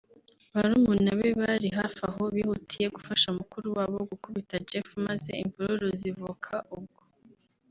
Barumuna be bari hafi aho bihutiye gufasha mukuru wabo gukubita Jeff maze imvururu zivuka ubwo